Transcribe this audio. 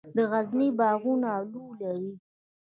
د غزني باغونه الو لري.